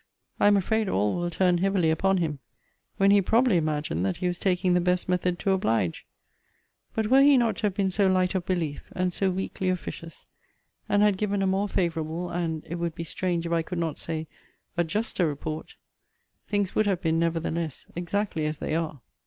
I am afraid all will turn heavily upon him, when he probably imagined that he was taking the best method to oblige. But were he not to have been so light of belief, and so weakly officious; and had given a more favourable, and, it would be strange if I could not say, a juster report; things would have been, nevertheless, exactly as they are.